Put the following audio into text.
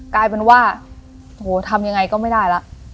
กลายเป็นว่าโหทำยังไงก็ไม่ได้แล้ว